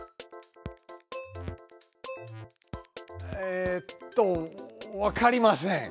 えっとわかりません。